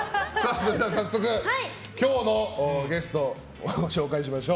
それでは早速、今日のゲストご紹介しましょう。